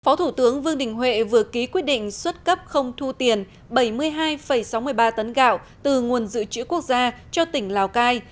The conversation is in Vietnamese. phó thủ tướng vương đình huệ vừa ký quyết định xuất cấp không thu tiền bảy mươi hai sáu mươi ba tấn gạo từ nguồn dự trữ quốc gia cho tỉnh lào cai